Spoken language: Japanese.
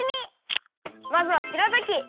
まずはしらたき。